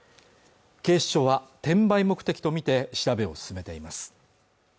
警視庁は転売目的とみて調べを進めています